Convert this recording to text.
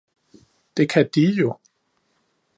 "Det kan De jo."